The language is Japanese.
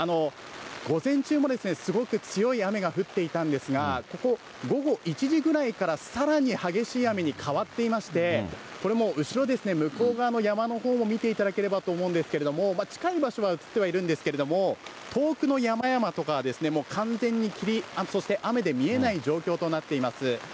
午前中もすごく強い雨が降っていたんですが、ここ、午後１時ぐらいからさらに激しい雨に変わっていまして、これも後ろですね、向こう側の山のほうも見ていただければと思うんですけれども、近い場所は映ってはいるんですが、遠くの山々とかは完全に、雨で見えない状況となっています。